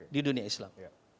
di dunia islam